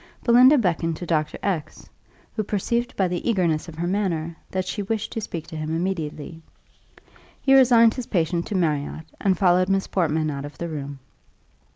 Belinda beckoned to Dr. X , who perceived by the eagerness of her manner, that she wished to speak to him immediately. He resigned his patient to Marriott, and followed Miss Portman out of the room.